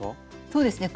そうですね